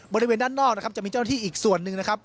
บริเวณด้านนอกจะมีเจ้าหน้าที่อีกส่วนนึง